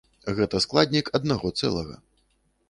Гэта складнік аднаго цэлага.